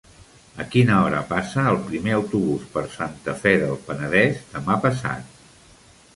A quina hora passa el primer autobús per Santa Fe del Penedès demà passat?